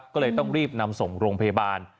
ก็เลยต้องรีบนำส่งโรงพยาบาล